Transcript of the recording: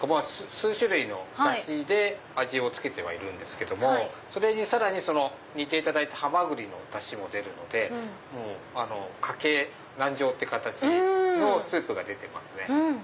数種類のダシで味を付けてはいるんですけどもそれにさらに煮ていただいたハマグリのダシも出るので掛け何乗って形のスープが出てますね。